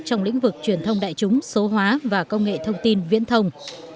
trong lĩnh vực truyền thông đại chúng số hóa và công nghệ thông tin viễn thông